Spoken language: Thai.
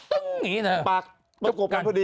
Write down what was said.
ปากจูบปากกัน